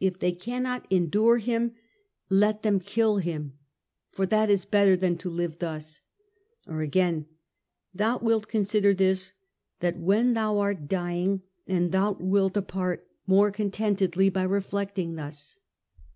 If they cannot endure him, let them ^ kill him. For that is better than to live thus.' Or again .^ Thou wilt consider this then when thou art ^ dying, and thou wilt depart more contentedly by reflecting thus.